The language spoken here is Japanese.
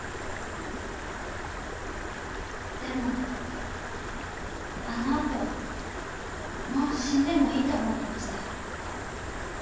でもあのあともう死んでもいいと思ってました。